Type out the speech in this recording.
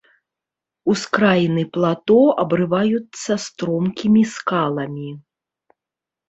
Ускраіны плато абрываюцца стромкімі скаламі.